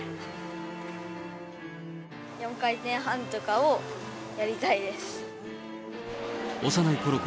４回転半とかをやりたいです。